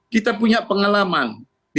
kita punya pengalaman